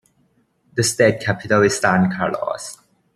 The state capital is San Carlos.